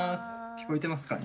聞こえてますかね？